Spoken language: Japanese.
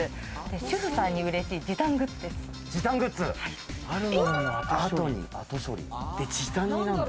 主婦さんに売れてる時短グッズです。